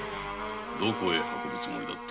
どこへ運ぶつもりだった？